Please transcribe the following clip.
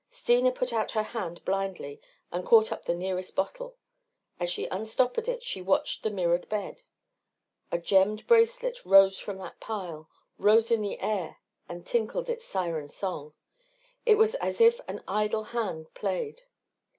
Steena put out her hand blindly and caught up the nearest bottle. As she unstoppered it she watched the mirrored bed. A gemmed bracelet rose from the pile, rose in the air and tinkled its siren song. It was as if an idle hand played....